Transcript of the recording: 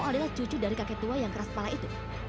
adalah cucu dari kakek tua yang keras kepala itu